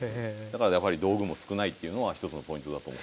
だからやはり道具も少ないっていうのは一つのポイントだと思って。